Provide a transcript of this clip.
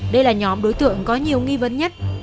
đây là nhóm đối tượng có nhiều nghi vấn nhất